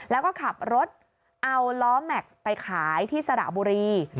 แล้วก็ขับรถเอาล้อแม็กซ์ไปขายที่สระบุรี